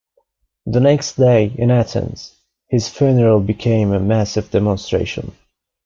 The next day, in Athens, his funeral became a massive demonstration.